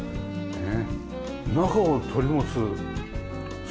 ねえ。